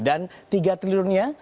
dan tiga triliunnya